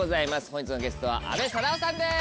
本日のゲストは阿部サダヲさんです。